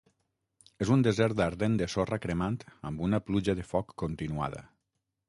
És un desert ardent de sorra cremant amb una pluja de foc continuada.